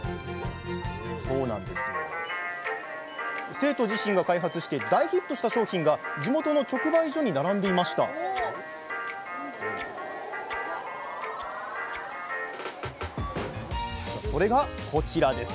生徒自身が開発して大ヒットした商品が地元の直売所に並んでいましたそれがこちらです。